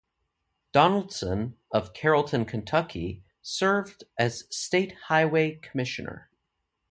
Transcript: Donaldson, of Carrollton, Kentucky served as state highway commissioner.